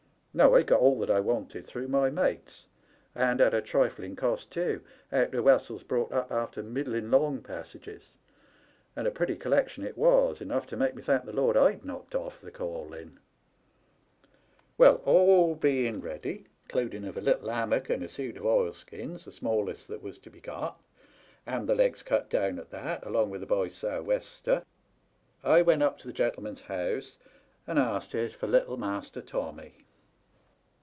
No, I got all that I wanted through my mates, and at a trifling cost tew, out of wessels brought up after middling long passages ; and a pretty collection it was, enough to make me thank the Lard Fd knocked off the calling. " Well, all being ready, including of a little hammock and a suit of oilskins, the smallest that was to be got, ^'TEAT THERE LITTLE TOMMYS 273 and the legs cut down at that, along with a boy's sou' wester^ I went up to the gentleman's house and asted for little Master Tommy.